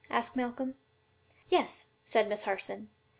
asked Malcolm. "Yes," said Miss Harson.